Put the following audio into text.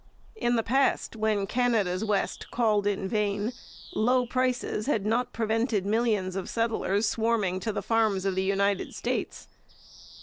In the past, when Canada's West called in vain, low prices had not prevented millions of settlers swarming to the farms of the United States.